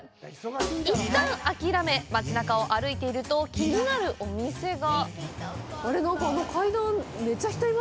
一旦諦め、町なかを歩いていると気になるお店が。